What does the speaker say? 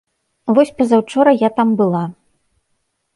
Вось пазаўчора я там была.